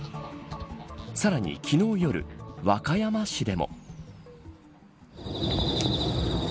さらに昨日夜、和歌山市でも。